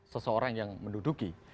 seseorang yang menduduki